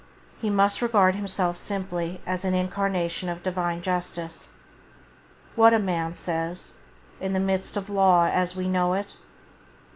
He must regard himself simply as an incarnation of Divine Justice. "What", a man says, "in the midst of law as we know it